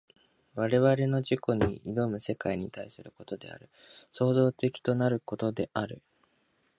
我々の自己に臨む世界に対することである、創造的となることである。